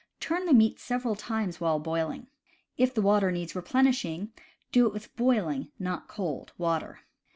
Turn the meat several times while boiling. If the water needs replenishing, do it with boiling, not cold, water.